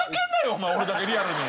俺だけリアルに。